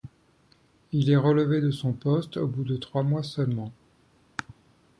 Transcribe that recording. Il est relevé de son poste au bout de trois mois seulement.